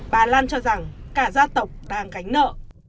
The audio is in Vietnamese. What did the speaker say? bà lan cho rằng cả gia tộc đang gánh nợ